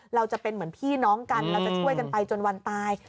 เราจะเป็นเหมือนพี่น้องกันเราจะช่วยกันไปจนวันตาย